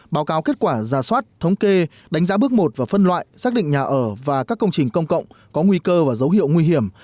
báo cáo kết quả ra soát thống kê đánh giá bước một và phân loại xác định nhà ở và các công trình công cộng có nguy cơ và dấu hiệu nguy hiểm